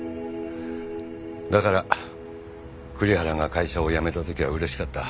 だから栗原が会社を辞めた時は嬉しかった。